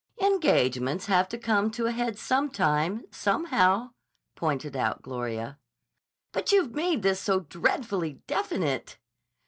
"Engagements have to come to a head sometime, somehow," pointed out Gloria. "But you've made this so dreadfully definite!"